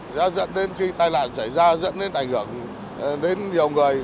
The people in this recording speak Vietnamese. đã dẫn đến khi tai nạn xảy ra dẫn đến ảnh hưởng đến nhiều người